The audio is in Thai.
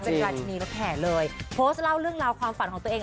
เพาส์เล่าเรื่องราวความฝันของตัวเอง